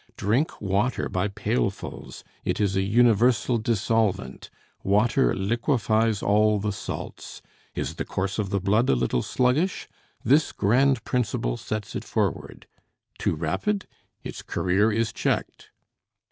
Drink water by pailfuls; it is a universal dissolvent; water liquefies all the salts. Is the course of the blood a little sluggish? This grand principle sets it forward. Too rapid? Its career is checked."